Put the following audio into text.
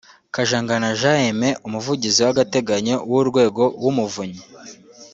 Kajangana Jean Aime umuvugizi w’agateganyo w’Urwego w’Umuvunyi